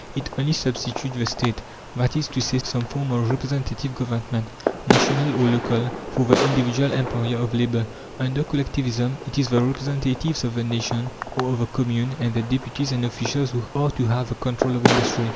It only substitutes the State, that is to say, some form of Representative Government, national or local, for the individual employer of labour. Under Collectivism it is the representatives of the nation, or of the Commune, and their deputies and officials who are to have the control of industry.